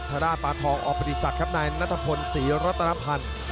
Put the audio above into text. ทราบปานทองออกปฏิศักดิ์ครับในนัทพลศรีรตนพันธ์